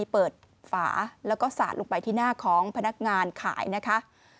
เปิดฝาแล้วก็สาดลงไปที่หน้าของพนักงานขายนะคะ